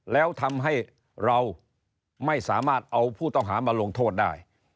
แล้วทำให้เราไม่สามารถเอาผู้ต้องหามาลงโทษได้